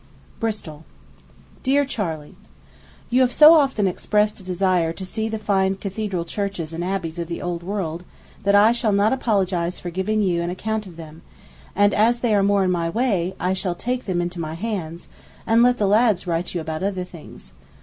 BRISTOL. DEAR CHARLEY: You have so often expressed a desire to see the fine cathedral churches and abbeys of the old world, that I shall not apologize for giving you an account of them; and as they are more in my way, I shall take them into my hands, and let the lads write you about other things.